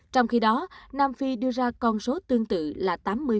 trong khi đó nam phi đưa ra con số tương tự là tám mươi